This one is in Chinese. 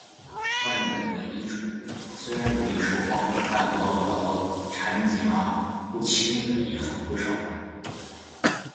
外面的短衣主顾，虽然容易说话，但唠唠叨叨缠夹不清的也很不少。